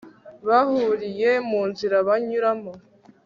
Bahuriye munzira banyuramo